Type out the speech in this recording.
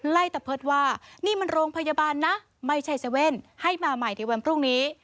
ตะเพิดว่านี่มันโรงพยาบาลนะไม่ใช่๗๑๑ให้มาใหม่ในวันพรุ่งนี้